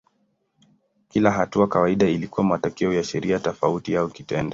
Kila hatua kawaida ilikuwa matokeo ya sheria tofauti au kitendo.